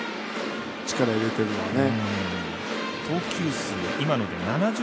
力入れてるのはね。